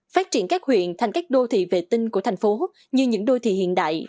phát triển các huyện thành các đô thị vệ tinh của thành phố như những đô thị hiện đại